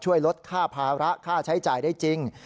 ลดค่าภาระค่าใช้จ่ายได้จริง